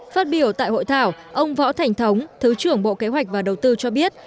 phát biểu tại hội thảo ông võ thành thống thứ trưởng bộ kế hoạch và đầu tư cho biết